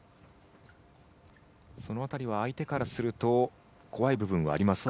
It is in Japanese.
その辺りは相手からすると怖い部分はありますか。